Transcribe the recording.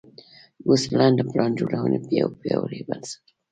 ګوسپلن د پلان جوړونې یو پیاوړی بنسټ و.